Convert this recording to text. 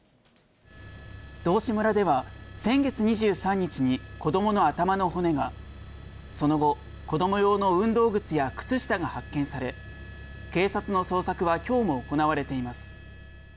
道志村では、先月２３日に子どもの頭の骨が、その後、子ども用の運動靴や靴下が発見され、警察の捜索はきょうも行われています。